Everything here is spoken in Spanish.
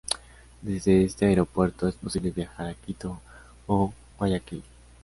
Desde este aeropuerto es posible viajar a Quito o Guayaquil.